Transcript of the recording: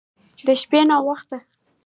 د شپې ناوخته